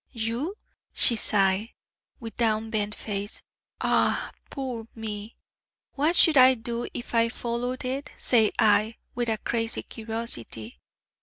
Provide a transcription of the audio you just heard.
'You?' she sighed, with down bent face: 'ah, poor me!' 'What should I do if I followed it?' said I, with a crazy curiosity.